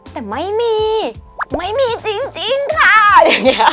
แต่ไม่มีไม่มีจริงค่ะอย่างนี้